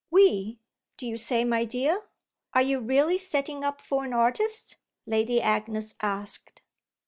"'We,' do you say, my dear? Are you really setting up for an artist?" Lady Agnes asked.